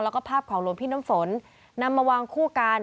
แล้วก็ภาพของหลวงพี่น้ำฝนนำมาวางคู่กัน